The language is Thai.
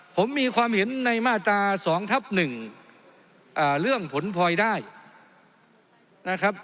ผมมีความเห็นในมาตราสองทับหนึ่งอ่าเรื่องผลพลอยได้นะครับ